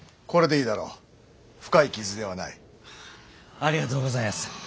ありがとうございやす。